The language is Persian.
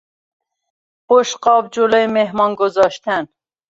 بشقاب جلو مهمان گذاشتن